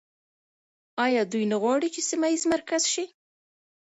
آیا دوی نه غواړي چې سیمه ییز مرکز شي؟